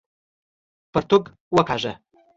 پرتوګ وکاږه!